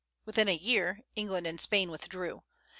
Within a year England and Spain withdrew.